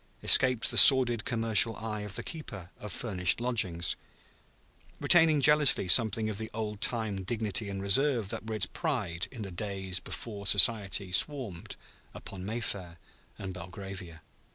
escaped the sordid commercial eye of the keeper of furnished lodgings, retaining jealously something of the old time dignity and reserve that were its pride in the days before Society swarmed upon Mayfair and Belgravia.